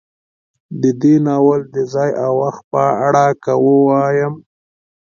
د دې ناول د ځاى او وخت په اړه که وايم